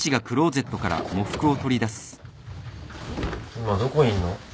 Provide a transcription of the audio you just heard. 今どこいんの？